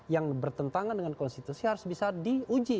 yang bertentangan dengan konstitusi harus bisa diuji